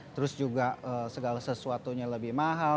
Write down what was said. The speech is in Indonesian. terus juga segala sesuatunya lebih mahal